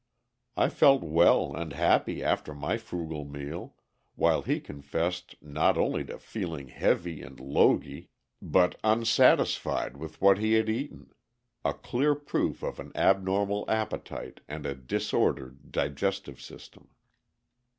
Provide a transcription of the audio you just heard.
I felt well and happy after my frugal meal, while he confessed not only to feeling heavy and "logy," but unsatisfied with what he had eaten a clear proof of an abnormal appetite and a disordered digestive system.